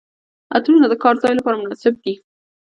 عطرونه د کار ځای لپاره مناسب دي.